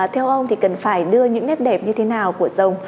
theo ông thì cần phải đưa những nét đẹp như thế nào của rồng